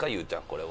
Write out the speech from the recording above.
これは。